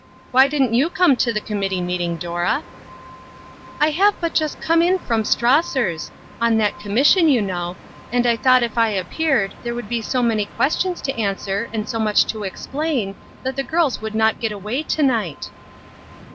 Why didn't you come to the committee meeting, Dora ?"" I have but just come in from Strausser's, on that commission, you know, and I thought if I appeared, there would be so many ques tions to answer, and so much to explain, that the girls would not get away to night."